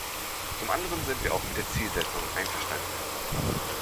Zum anderen sind wir auch mit der Zielsetzung einverstanden.